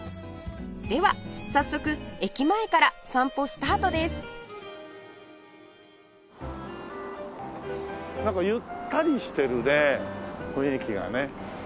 では早速駅前から散歩スタートですなんかゆったりしてるね雰囲気がね。